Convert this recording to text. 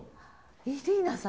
イリーナさん。